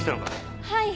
はい。